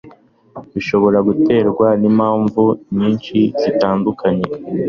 bishobora guterwa n'impamvu nyinshi zitandukanye